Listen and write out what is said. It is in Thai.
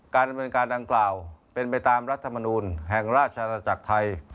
การบริจารณ์การดังกล่าวเป็นไปตามรัฐมนูลแห่งราชสัจจักรไทย